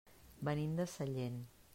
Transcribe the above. Venim de Sellent.